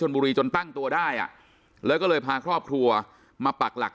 บุรีจนตั้งตัวได้อ่ะแล้วก็เลยพาครอบครัวมาปักหลัก